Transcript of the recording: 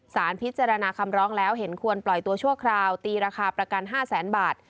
สารพิจารณาคำร้องแล้วเห็นควรปล่อยตัวชั่วคราวตีราคาประกัน๕แสนบาท